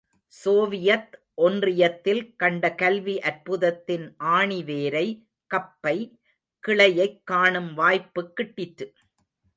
Soviet ஒன்றியத்தில் கண்ட கல்வி அற்புதத்தின் ஆணிவேரை, கப்பை, கிளையைக் காணும் வாய்ப்புக் கிட்டிற்று.